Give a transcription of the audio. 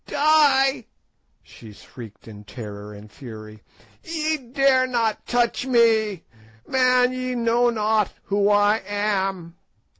"Die!" she shrieked in terror and fury; "ye dare not touch me—man, ye know not who I am.